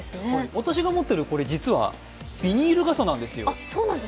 私が持っているこれは実はビニール傘なんですよ。